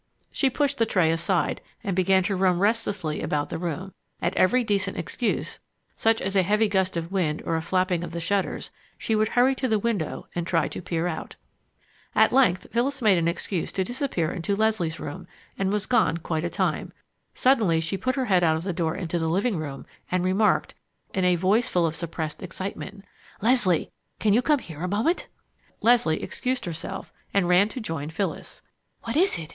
She pushed the tray aside and began to roam restlessly about the room. At every decent excuse, such as an extra heavy gust of wind or a flapping of the shutters, she would hurry to the window and try to peer out. At length Phyllis made an excuse to disappear into Leslie's room and was gone quite a time. Suddenly she put her head out of the door into the living room and remarked, in a voice full of suppressed excitement: "Leslie, can you come here a moment?" Leslie excused herself and ran to join Phyllis. "What is it?"